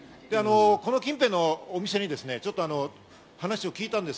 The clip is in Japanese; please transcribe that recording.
この近辺のお店にちょっと話を聞いたんですよ。